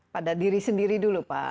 pada diri sendiri dulu pak